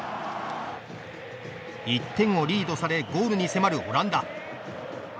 １点をリードされゴールに迫るオランダ。